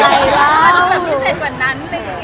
แล้วมันดูดีกว่านั้นเลย